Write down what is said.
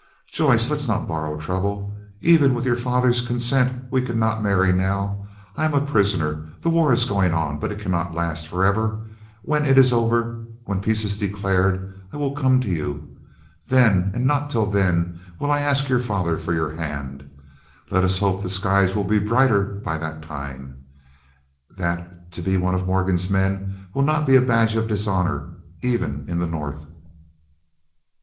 "Joyce, let us not borrow trouble. Even with your father's consent we could not marry now. I am a prisoner. The war is going on, but it cannot last forever. When it is over, when peace is declared, I will come to you. Then, and not till then, will I ask your father for your hand. Let us hope the skies will be brighter by that time—that to be one of Morgan's men will not be a badge of dishonor, even in the North."